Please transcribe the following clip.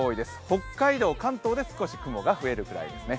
北海道、関東で少し雲が増えるくらいですね。